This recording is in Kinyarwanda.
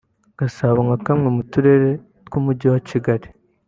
Gasabo nka kamwe mu turere tw’Umujyi wa Kigali